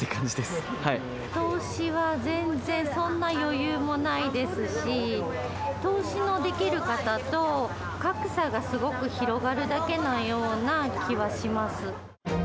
投資は全然、そんな余裕もないですし、投資のできる方と格差がすごく広がるだけのような気はします。